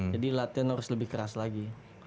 jadi latihan harus lebih keras lagi